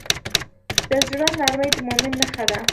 د زړه نرمي د مؤمن نښه ده.